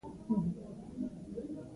بې له ښځې دنیا هېڅ ښایست نه لري.